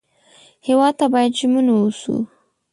هېواد ته باید ژمن و اوسو